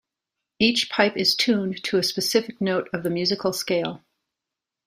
Each pipe is tuned to a specific note of the musical scale.